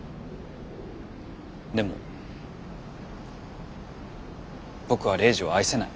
でも僕はレイジを愛せない。